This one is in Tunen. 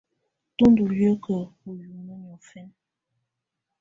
Tɔ ndɔ liǝ́kǝ́ u yumǝ́ niɔfɛna.